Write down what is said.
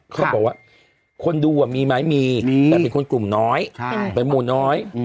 เขาบอกว่าคนดูมีไหมมีแต่เป็นคนกลุ่มน้อยเป็นหมู่น้อย